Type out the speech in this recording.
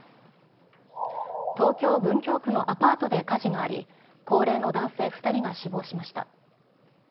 東京・文京区のアパートで火事があり、高齢の男性２人が死亡しました。